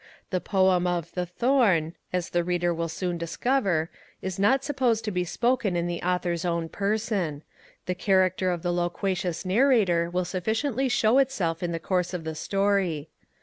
The poem of The Thorn, as the reader will soon discover, is not supposed to be spoken in the author's own person: the character of the loquacious narrator will sufficiently show itself in the course of the story.